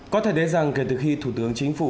có thể thấy rằng kể từ khi thủ tướng chính phủ